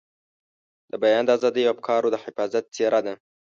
د بیان د ازادۍ او افکارو د حفاظت څېره ده.